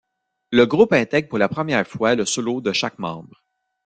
Le groupe intègre pour la première fois le solo de chaque membre.